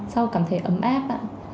sau cảm thấy ấm áp á